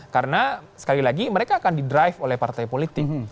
karena sekali lagi mereka akan di drive oleh partai politik